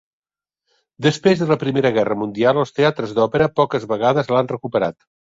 Després de la Primera Guerra Mundial, els teatres d'òpera poques vegades l'han recuperat.